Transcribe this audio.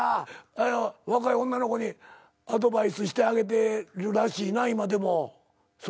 若い女の子にアドバイスしてあげてるらしいな今でも。